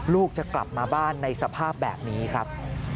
ลูกจะกลับมาบ้านในสภาพแบบนี้ครับ